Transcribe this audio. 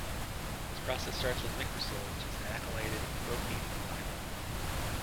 This process starts from m-cresol which is alkylated with propene to thymol.